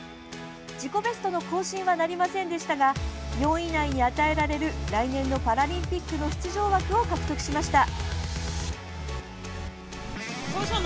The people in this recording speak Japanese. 自己ベストの更新はなりませんでしたが４位以内に与えられる来年のパラリンピックの出場枠を獲得しました。